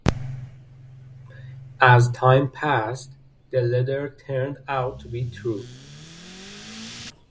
As time passed, the latter turned out to be true.